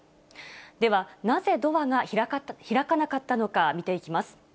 では、なぜドアが開かなかったのか見ていきます。